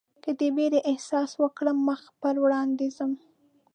که د وېرې احساس وکړم مخ پر وړاندې ځم.